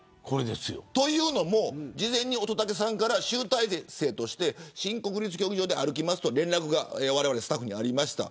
というのも乙武さんから集大成として新国立競技場で歩きますとスタッフに連絡がありました。